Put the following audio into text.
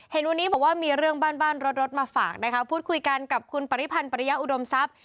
เห็นวันนี้บอกว่ามีเรื่องบ้านบ้านรถรถมาฝากนะคะพูดคุยกันกับคุณปริพันธ์ปริยะอุดมทรัพย์